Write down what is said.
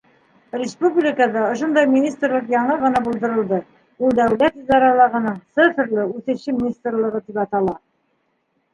Республикабыҙҙа ошондай министрлыҡ яңы ғына булдырылды - ул Дәүләт идаралығының цифрлы үҫеше министрлығы тип атала.